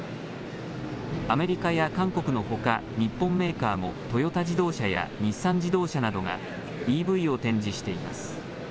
アメリカや韓国のほか日本メーカーもトヨタ自動車や日産自動車などがＥＶを展示しています。